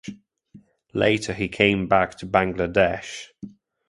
Later he came back to Bangladesh.